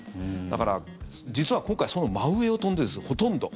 だから、実は今回その真上を飛んでるんです、ほとんど。